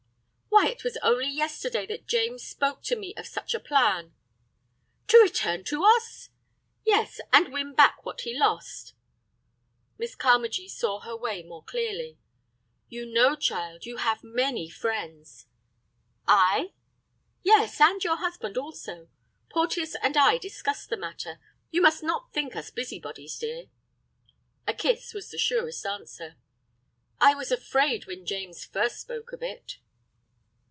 "Why, it was only yesterday that James spoke to me of such a plan." "To return to us?" "Yes, and win back what he lost." Miss Carmagee saw her way more clearly. "You know, child, you have many friends." "I?" "Yes, and your husband also. Porteus and I discussed the matter. You must not think us busybodies, dear." A kiss was the surest answer. "I was afraid when James first spoke of it."